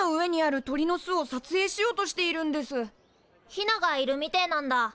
ヒナがいるみてえなんだ。